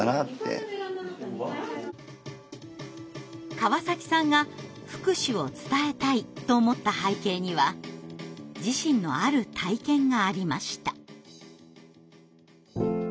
川崎さんが福祉を伝えたいと思った背景には自身のある体験がありました。